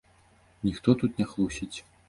Ніхто тут не хлусіць.